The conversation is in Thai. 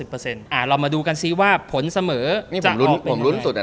เรามาดูกันซิว่าผลเสมอจะออกเป็นไหน